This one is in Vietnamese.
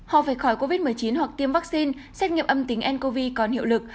họ phải khỏi covid một mươi chín hoặc tiêm vaccine xét nghiệm âm tính ncov còn hiệu lực